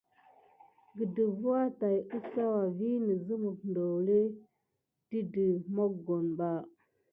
Gədəfwa tät kisawa viŋ ne simick ndolé dide mokone ba.